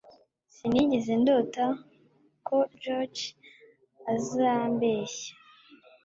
Sinigeze ndota ko George azambeshya